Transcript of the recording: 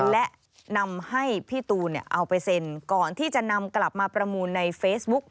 และนำให้พี่ตูนเอาไปเซ็นก่อนที่จะนำกลับมาประมูลในเฟซบุ๊ก